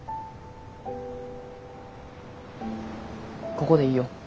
ここでいいよ。